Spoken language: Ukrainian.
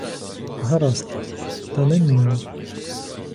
Гаразд, та не нині.